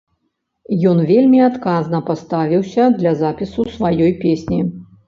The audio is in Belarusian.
Ён вельмі адказна паставіўся для запісу сваёй песні.